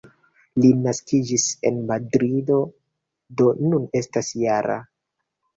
Li naskiĝis en Madrido, do nun estas -jara.